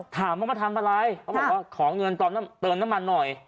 ถามว่ามาทำอะไรเขาบอกว่าขอเงินตอนเติมน้ำมันหน่อย